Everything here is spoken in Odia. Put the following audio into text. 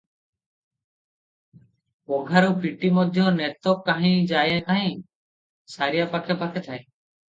ପଘାରୁ ଫିଟି ମଧ୍ୟ ନେତ କାହିଁ ଯାଏ ନାହିଁ, ସାରିଆ ପାଖେ ପାଖେ ଥାଏ ।